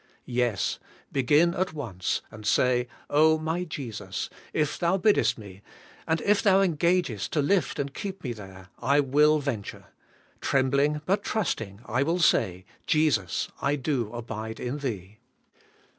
Yes, begin at once, and say, '0 my Jesus, if Thou biddest me, and if Thou engagest to lift and keep me there, I will venture. Trembling, but trusting, I will say: Jesus, I do abide in Thee.'